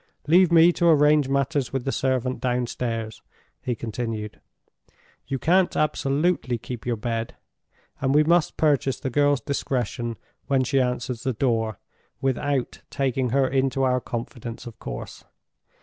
"Leave me to arrange matters with the servant downstairs," he continued. "You can't absolutely keep your bed, and we must purchase the girl's discretion when she answers the door, without taking her into our confidence, of course.